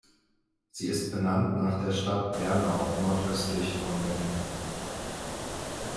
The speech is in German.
Sie ist benannt nach der Stadt Bernau nordöstlich von Berlin.